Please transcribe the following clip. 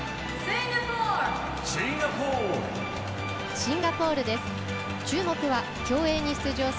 シンガポールです。